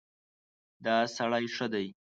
دا سړی ښه دی.